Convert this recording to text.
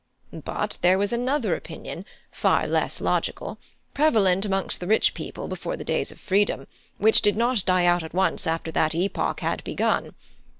But there was another opinion, far less logical, prevalent amongst the rich people before the days of freedom, which did not die out at once after that epoch had begun.